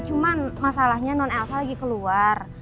cuman masalahnya non elsa lagi keluar